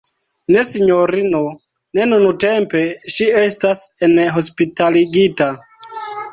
Ne sinjorino, ne nuntempe, ŝi estas enhospitaligita.